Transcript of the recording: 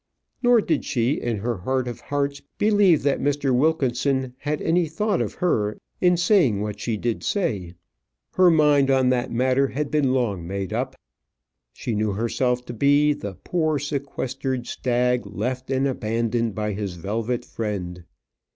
Nor did she, in her heart of hearts, believe that Mr. Wilkinson had any thought of her in saying what she did say. Her mind on that matter had been long made up. She knew herself to be "the poor sequestered stag, left and abandoned by his velvet friend."